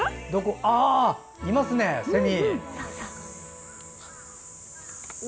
ああ、いますねセミ！